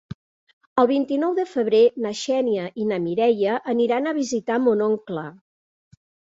El vint-i-nou de febrer na Xènia i na Mireia aniran a visitar mon oncle.